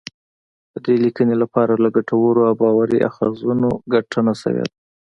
د دې لیکنی لپاره له ګټورو او باوري اخځونو ګټنه شوې ده